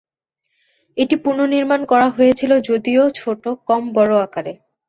এটি পুনর্নির্মাণ করা হয়েছিল, যদিও ছোট, কম বড় আকারে।